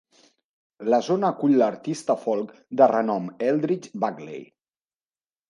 La zona acull l'artista folk de renom Eldridge Bagley.